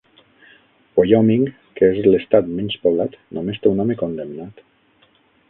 Wyoming, que és l'estat menys poblat, només té un home condemnat.